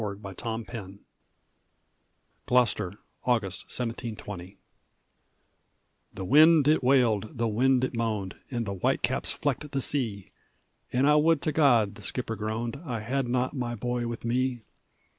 ALEC YEATON'S SON GLOUCESTER, AUGUST, 1720 The wind it wailed, the wind it moaned, And the white caps flecked the sea; "An' I would to God," the skipper groaned, "I had not my boy with me!"